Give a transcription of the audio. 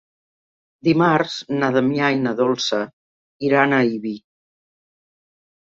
Dimarts na Damià i na Dolça iran a Ibi.